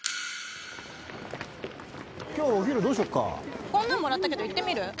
今日お昼どうしよっかこれもらったけど行ってみる？